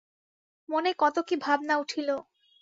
মনে কত কি ভাবনা উঠিল।